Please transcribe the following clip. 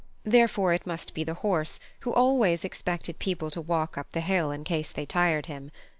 Therefore it must be the horse, who always expected people to walk up the hill in case they tired him.